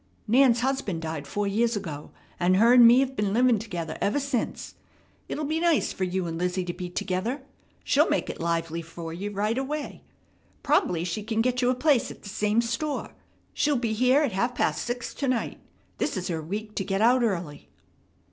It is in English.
Nan's husband died four years ago, and her and me've been livin' together ever since. It'll be nice fer you and Lizzie to be together. She'll make it lively fer you right away. Prob'ly she can get you a place at the same store. She'll be here at half past six to night. This is her week to get out early."